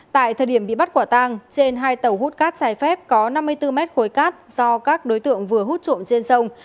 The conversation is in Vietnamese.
tại thời điểm bị bắt quả tang trên hai tàu hút cát trái phép có năm mươi bốn mét khối cát do các đối tượng vừa hút trộm trên sông